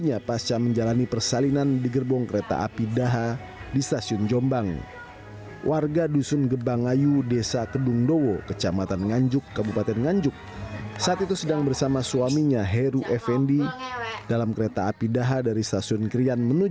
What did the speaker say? yang jombang berarti ini